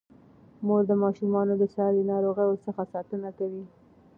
مور د ماشومانو د ساري ناروغیو څخه ساتنه کوي.